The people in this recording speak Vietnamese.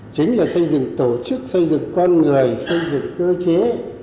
chính là xây dựng tổ chức xây dựng con người xây dựng cơ chế